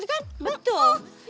ini susah banget tuh